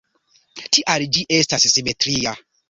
Tial ĝi estas simetria.